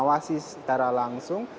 beliau berkomunikasi secara langsung